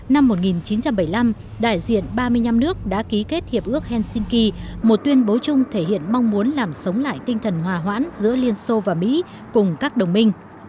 năm một nghìn chín trăm bảy mươi năm đại diện ba mươi năm nước đã ký kết hiệp ước helsinki một tuyên bố chung thể hiện mong muốn làm sống lại tinh thần hòa hoãn giữa liên xô và mỹ cùng các đồng minh